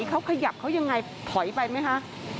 เขาขยับเขายังไงถอยไปไหมคะ